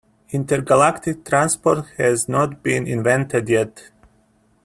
Intergalactic transport has not been invented yet.